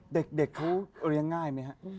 เด็กเขาเลี้ยงง่ายไหมฮะ